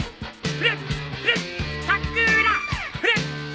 フレッフレッさくら！